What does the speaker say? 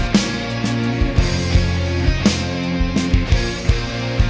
tunggu gue mau ngawin